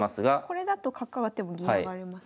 これだと角上がっても銀上がれますもんね。